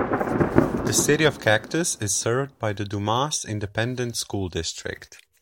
The City of Cactus is served by the Dumas Independent School District.